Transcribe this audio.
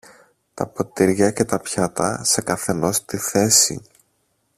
τα ποτήρια και τα πιάτα σε καθενός τη θέση.